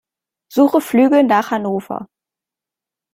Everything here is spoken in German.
Suche Flüge nach Hannover.